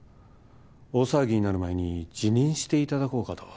大騒ぎになる前に辞任していただこうかと。